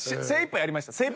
精いっぱいやりました。